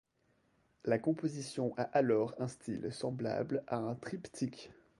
La composition a alors un style semblable à un triptyque.